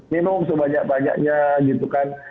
minum sebanyak banyaknya gitu kan